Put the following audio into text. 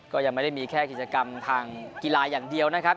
ก็ยังไม่ได้มีแค่กิจกรรมทางกีฬาอย่างเดียวนะครับ